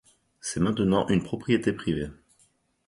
C'est maintenant une propriété privée.